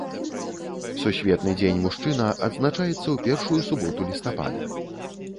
Сусветны дзень мужчына адзначаецца ў першую суботу лістапада.